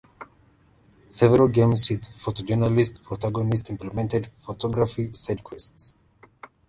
Several games with photojournalist protagonists implemented photography sidequests.